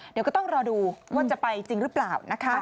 เดี๋ยวก็ต้องรอดูว่าจะไปจริงหรือเปล่านะคะ